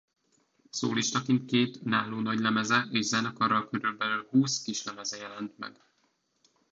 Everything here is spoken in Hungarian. Szólistaként két önálló nagylemeze és zenekarral körülbelül húsz kislemeze jelent meg.